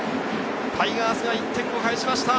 タイガース１点を返しました。